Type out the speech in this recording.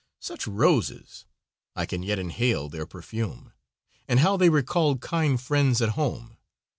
Such roses! I can yet inhale their perfume, and how they recalled kind friends at home.